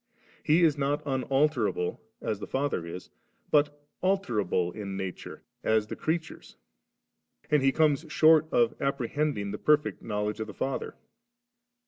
He is not unalterable, as the Father is, but alterable in nature, as the creatures, and He comes short of apprehending the perfect knowledge of the Father.'